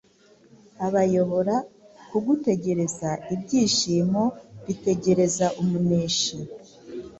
abayobora ku gutegereza ibyishimo bitegereje umuneshi.